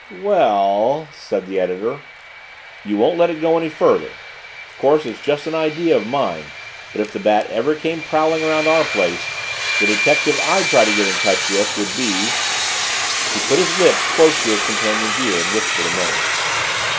"We el," said the editor, "you won't let it go any further? Of course it's just an idea of mine, but if the Bat ever came prowling around our place, the detective I'd try to get in touch with would be " He put his lips close to his companion's ear and whispered a name.